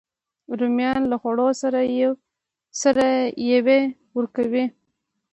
رومیان له خوړو سره بوی ورکوي